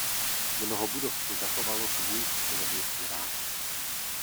Mnoho budov si zachovalo svůj středověký ráz.